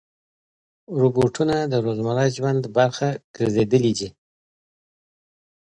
روبوټونه د روزمره ژوند برخه ګرځېدلي دي.